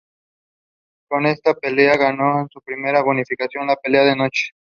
Con esta pelea ganó su primera bonificación a la "Pelea de la Noche".